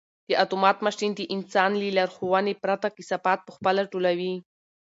دا اتومات ماشین د انسان له لارښوونې پرته کثافات په خپله ټولوي.